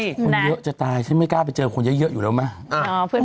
คนเยอะจะตายฉันไม่กล้าไปเจอคนเยอะอยู่แล้วไหม